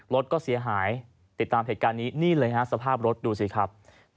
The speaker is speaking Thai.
รถก็เสียหายติดตามเหตุการณ์นี้นี่เลยฮะสภาพรถดูสิครับ